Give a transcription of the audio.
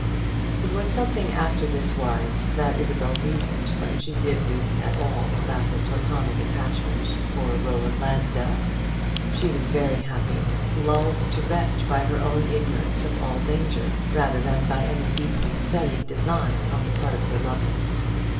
It was something after this wise that Isabel reasoned when she did reason at all about her platonic attachment for Roland Lansdell. She was very happy, lulled to rest by her own ignorance of all danger, rather than by any deeply studied design on the part of her lover.